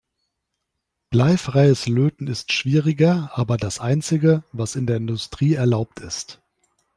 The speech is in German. Bleifreies Löten ist schwieriger, aber das einzige, was in der Industrie erlaubt ist.